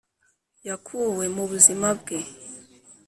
yakuwe mubuzima; bwe